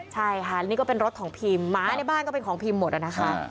ใช่ค่ะนี่ก็เป็นรถของพิมหมาในบ้านก็เป็นของพิมพ์หมดอะนะคะ